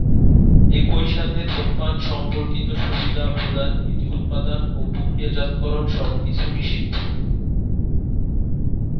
একই সাথে ধূমপান সম্পর্কিত সুবিধা প্রদান, এটি উৎপাদন ও প্রক্রিয়াজাতকরণ সবকিছু নিষিদ্ধ।